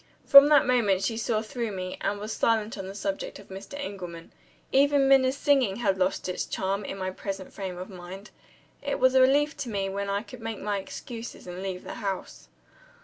From that moment she saw through me, and was silent on the subject of Mr. Engelman. Even Minna's singing had lost its charm, in my present frame of mind. It was a relief to me when I could make my excuses, and leave the house.